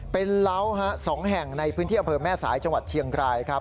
เป็นเหล้า๒แห่งในพื้นที่อำเภอแม่สายจังหวัดเชียงรายครับ